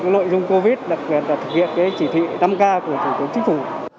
nội dung covid đặc biệt là thực hiện chỉ thị năm k của thủ tướng chính phủ